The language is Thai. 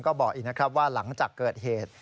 ก็บอกอีกนะครับว่าหลังจากเกิดเหตุ